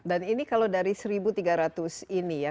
dan ini kalau dari seribu tiga ratus ini ya